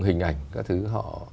hình ảnh các thứ họ